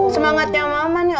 semangatnya mama nih